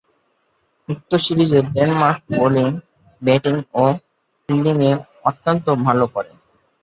উক্ত সিরিজে Denmark bowling, batting ও ফিল্ডিং এ অত্যন্ত ভাল করে।